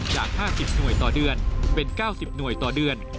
จาก๕๐หน่วยต่อเดือนเป็น๙๐หน่วยต่อเดือน